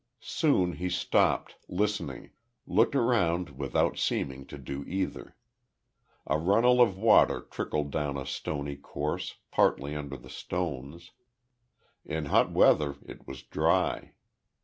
Soon he stopped, listening looked around without seeming to do either. A runnel of water trickled down a stony course, partly under the stones; in hot weather it was dry.